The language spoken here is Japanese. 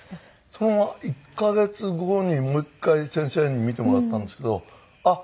その１カ月後にもう１回先生に診てもらったんですけどあっ